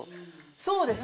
そうですね。